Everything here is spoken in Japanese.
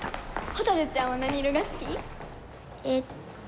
ほたるちゃんは何色が好き？